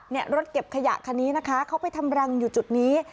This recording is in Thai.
รถเก็บขยะคันนี้นะคะเขาไปทำรังอยู่จุดนี้